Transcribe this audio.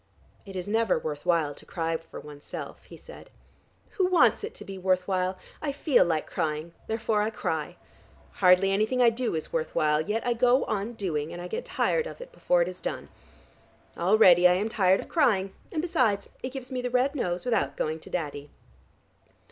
"It is never worth while to cry for oneself," he said. "Who wants it to be worth while? I feel like crying, therefore I cry. Hardly anything I do is worth while, yet I go on doing, and I get tired of it before it is done. Already I am tired of crying, and besides it gives me the red nose without going to Daddy.